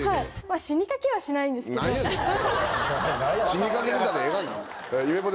「死にかけてた」でええがな。